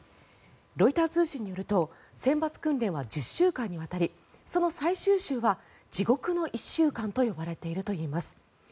ロイター通信によると選抜訓練は１０週間にわたりその最終週は、地獄の１週間と呼ばれているといいます。